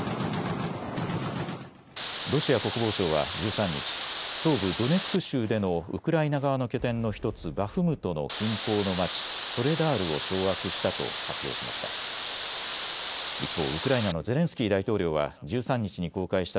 ロシア国防省は１３日、東部ドネツク州でのウクライナ側の拠点の１つバフムトの近郊の町ソレダールを掌握したと発表しました。